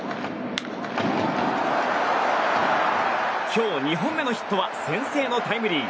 今日２本目のヒットは先制のタイムリー。